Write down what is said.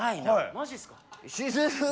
マジっすか。